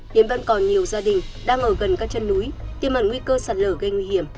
hiện vẫn còn nhiều gia đình đang ở gần các chân núi tiêm ẩn nguy cơ sạt lở gây nguy hiểm